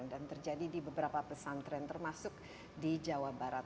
dan terjadi di beberapa pesantren termasuk di jawa barat